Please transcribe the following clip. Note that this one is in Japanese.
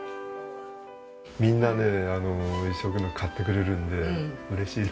みんなね一生懸命買ってくれるので嬉しいです。